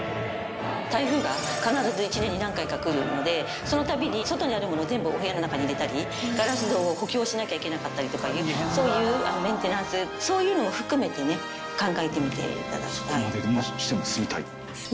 台風が必ず一年に何回か来るのでそのたびに外にあるものを全部お部屋の中に入れたりガラス戸を補強しなきゃいけなかったりとかいうそういうメンテナンスそういうのを含めてね考えてみていただきたい。